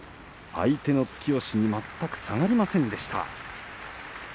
相手の突き押しに全く下がりませんでした。